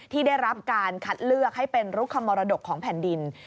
ที่ได้รับการคัดเลือกให้เป็นรุคมรดกของแผ่นดิน